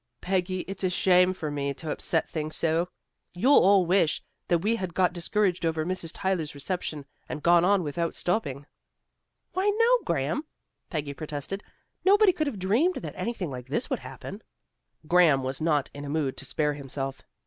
"Peggy, it's a shame for me to upset things so. You'll all wish that we had got discouraged over Mrs. Tyler's reception, and gone on without stopping." "Why, no, Graham," Peggy protested. "Nobody could have dreamed that anything like this would happen." Graham was not in a mood to spare himself.